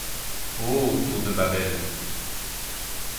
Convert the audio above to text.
Ô tour de Babel!